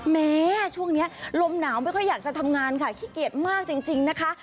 แม้ช่วงนี้ลมหนาวไม่ค่อยอยากจะทำงานค่ะขี้เกียจมากจริงนะคะ